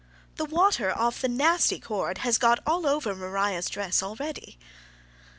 The water off the nasty cord has got all over Maria's dress, already."